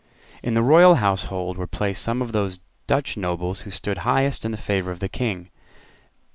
In the Royal household were placed some of those Dutch nobles who stood highest in the favour of the King.